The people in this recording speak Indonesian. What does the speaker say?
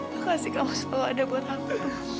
makasih kamu ada buat aku